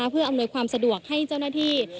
เพื่ออำนวยความสะดวกให้เจ้าหน้าที่